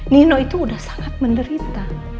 nino itu sudah sangat menderita